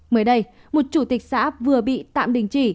mới đây một chủ tịch xã vừa bị tạm đình chỉ